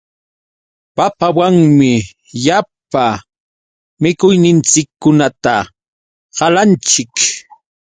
Papawanmi llapa mikuyninchikkunata qalanchik.